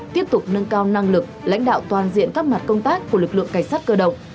tiếp tục nâng cao năng lực lãnh đạo toàn diện các mặt công tác của lực lượng cảnh sát cơ động